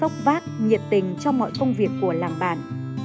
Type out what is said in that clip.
vẫn sóc vác nhiệt tình trong mọi công việc của làng bản